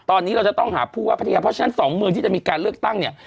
ตอนนี้เราจะต้องหาผู้ว่าพัทยาเพราะฉะนั้นสองเมืองที่จะมีการเลือกตั้งเนี่ย